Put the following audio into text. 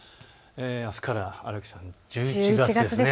あすから赤木さん、１１月です。